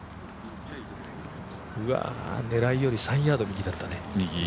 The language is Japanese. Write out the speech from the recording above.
狙いより３ヤード右だったね